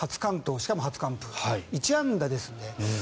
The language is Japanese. しかも初完封、１安打ですので。